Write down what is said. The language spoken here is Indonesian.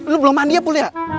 lo belom mandi ya pulia